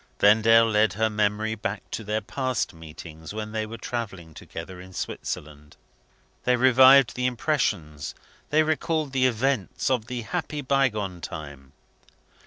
Vendale led her memory back to their past meetings when they were travelling together in Switzerland. They revived the impressions, they recalled the events, of the happy bygone time.